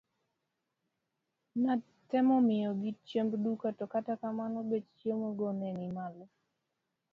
Natemo miyogi chiemb duka to kata kamano bech chiemo go ne ni malo.